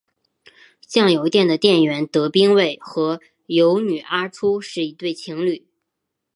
酱油店的店员德兵卫和游女阿初是一对情侣。